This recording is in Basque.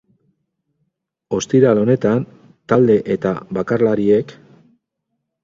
Ostiral honetan talde eta bakarlariek.